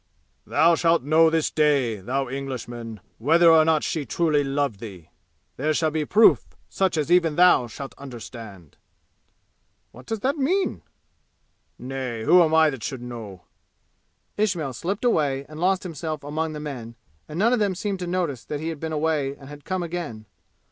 THOU SHALT KNOW THIS DAY, THOU ENGLISHMAN, WHETHER OR NOT SHE TRULY LOVED THEE! THERE SHALL BE PROOF, SUCH AS EVEN THOU SHALT UNDERSTAND!"' "What does that mean?" "Nay, who am I that I should know?" Ismail slipped away and lost himself among the men, and none of them seemed to notice that he had been away and had come again.